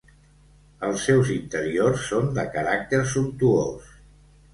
Els seus interiors són de caràcter sumptuós.